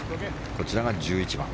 こちらが１１番。